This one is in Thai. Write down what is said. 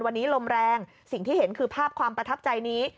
วันนี้ลมแรงสิ่งที่เห็นคือภาพความประทับใจนี้